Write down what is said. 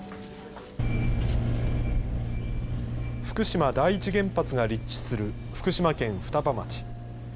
福島第一原発が立地する福島県双葉町。